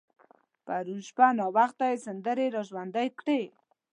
پرون شپه ناوخته يې سندرې را ژوندۍ کړې.